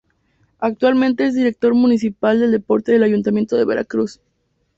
Actualmente es director municipal del Deporte del Ayuntamiento de Veracruz.